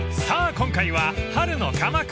今回は春の鎌倉。